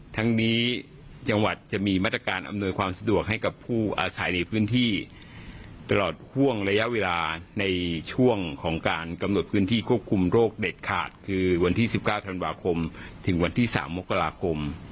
ทั้งนี้จังหวัดจะมีมาตรการอำนวยความสะดวกให้กับผู้อาศัยในพื้นที่ตลอดห่วงระยะเวลาในช่วงของการกำหนดพื้นที่ควบคุมโรคเด็ดขาดคือวันที่๑๙ธันวาคมถึงวันที่๓มกราคม